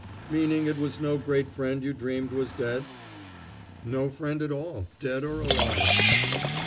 "Meaning it was no great friend you dreamed was dead?" "No friend at all, dead or alive!"